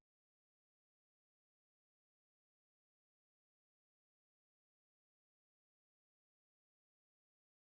tapi langsung ke kont cul filtering